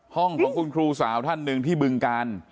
ของคุณครูสาวท่านหนึ่งที่บึงกาล